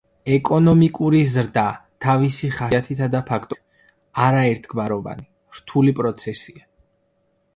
ეკონომიკური ზრდა, თავისი ხასიათითა და ფაქტორებით, არაერთგვაროვანი, რთული პროცესია.